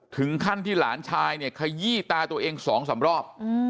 ถึงขั้นที่หลานชายเนี่ยขยี้ตาตัวเอง๒๓รอบ